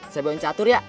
saya bawa yang catur ya